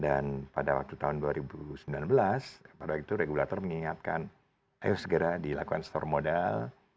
dan pada waktu tahun dua ribu sembilan belas pada waktu itu regulator mengingatkan ayo segera dilakukan store modal